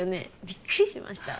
びっくりしました。